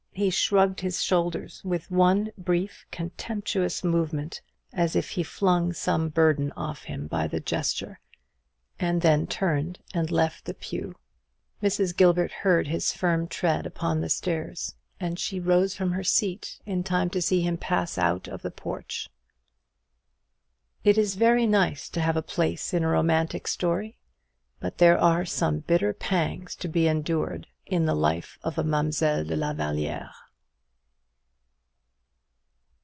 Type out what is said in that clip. He shrugged his shoulders, with one brief contemptuous movement, as if he flung some burden off him by the gesture, and then turned and left the pew. Mrs. Gilbert heard his firm tread upon the stairs, and she rose from her seat in time to see him pass out of the porch. It is very nice to have a place in romantic story: but there are some bitter pangs to be endured in the life of a Mademoiselle de la Vallière.